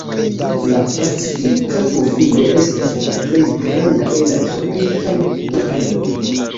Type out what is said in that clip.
La Pacifika pufino estas la plej granda el la tropikaj pufinoj.